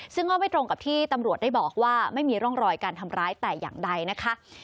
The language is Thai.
ซึ่งก็ไม่ตรงกับที่ตำรวจได้บอกว่าไม่มีร่องรอยการทำร้ายแต่อย่างใดนะคะ